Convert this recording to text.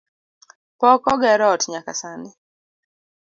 Pok oger ot nyaka sani